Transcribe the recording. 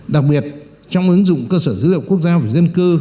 đặc biệt trong ứng dụng cơ sở dữ liệu quốc gia về dân cư